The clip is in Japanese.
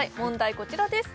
こちらです